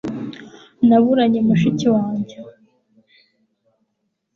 naburanye mushiki wange